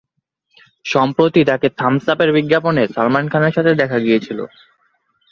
সম্প্রতি তাকে থামস-আপের বিজ্ঞাপনে সালমান খানের সাথে দেখা গিয়েছিল।